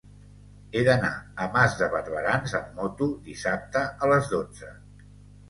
He d'anar a Mas de Barberans amb moto dissabte a les dotze.